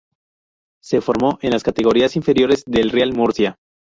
Se formó en las categorías inferiores del Real Murcia.